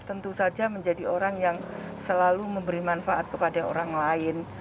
tentu saja menjadi orang yang selalu memberi manfaat kepada orang lain